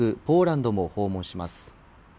ポーランドも訪問します。